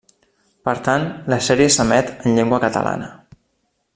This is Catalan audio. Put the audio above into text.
Per tant, la sèrie s’emet en llengua catalana.